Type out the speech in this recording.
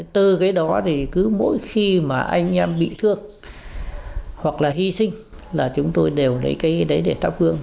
từ cái đó thì cứ mỗi khi mà anh em bị thương hoặc là hy sinh là chúng tôi đều lấy cái đấy để thắp hương